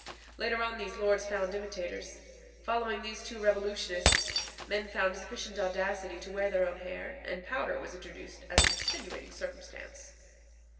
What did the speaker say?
Later on these lords found imitators. Following these two revolutionists, men found sufficient audacity to wear their own hair, and powder was introduced as an extenuating circumstance.